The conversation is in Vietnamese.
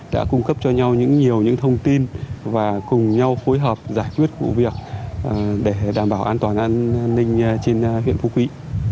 đã cung cấp cho nhau những nhiều những thông tin và cùng nhau phối hợp giải quyết vụ việc để đảm bảo an toàn an ninh trên huyện phú quý